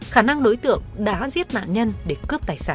khả năng đối tượng đã giết nạn nhân để cướp tài sản